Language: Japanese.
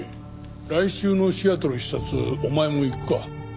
来週のシアトル視察お前も行くか？